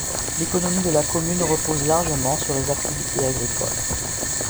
L'économie de la commune repose largement sur les activités agricoles.